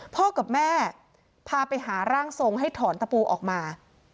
พ่อกับแม่พาไปหาร่างทรงให้ถอนตะปูออกมา